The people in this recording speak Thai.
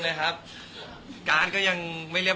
ใกล้มากอ่ะเนอะ